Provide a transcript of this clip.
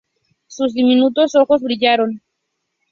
Sus diminutos ojos brillaron.